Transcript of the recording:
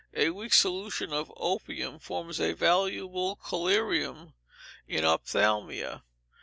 A weak solution of opium forms a valuable collyrium in ophthalmia.